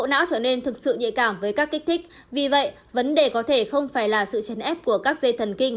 nhạy cảm với các kích thích vì vậy vấn đề có thể không phải là sự chấn ép của các dây thần kinh